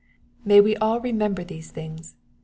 May we all remember these things.